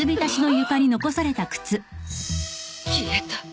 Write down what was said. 消えた。